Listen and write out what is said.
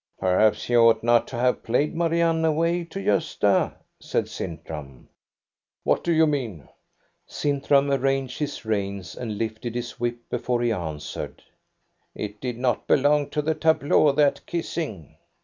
" Perhaps you ought not to have played Marianne away to Gosta," said Sintram. " What do you mean ?" Sintram arranged his reins and lifted his whip, before he answered :— THE BALL AT EKEBY 95 " It did not belong to the tableau, that kissing."